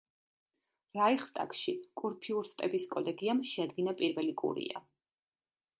რაიხსტაგში კურფიურსტების კოლეგიამ შეადგინა პირველი კურია.